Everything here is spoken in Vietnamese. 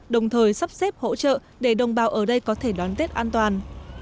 đồng thời sắp xếp hỗ trợ để đồng bào ở đây có thể đón tết an toàn